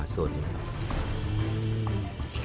ตอนนี้เจออะไรบ้างครับ